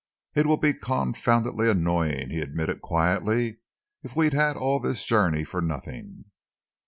"It will be confoundedly annoying," he admitted quietly, "if we've had all this journey for nothing."